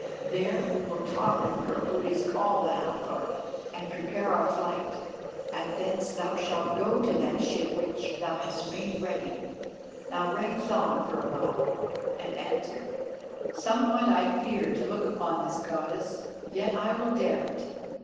There will we talk with her who is called the Hathor, and prepare our flight, and thence thou shalt go to that ship which thou hast made ready." Now Rei thought for awhile and answered: "Somewhat I fear to look upon this Goddess, yet I will dare it.